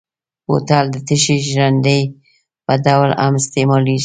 بوتل د تشې ژرندې په ډول هم استعمالېږي.